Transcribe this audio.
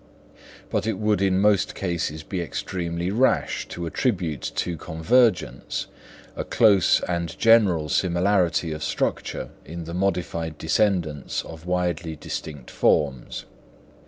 But it would in most cases be extremely rash to attribute to convergence a close and general similarity of structure in the modified descendants of widely distinct forms.